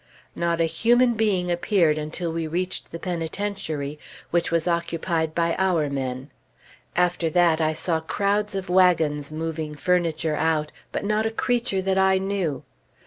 Not a human being appeared until we reached the Penitentiary, which was occupied by our men. After that, I saw crowds of wagons moving furniture out, but not a creature that I knew.